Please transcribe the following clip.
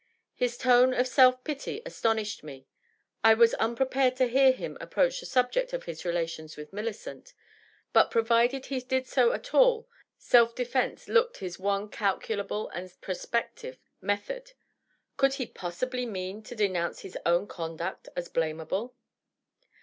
His tone of self pity aston ished me ; I was unprepared to hear him approach the subject of his relations with Millicent; but provided he did so at all, self defence looked his one calculable and prospective method. Could he possibly mean to denounce his own conduct as blamable?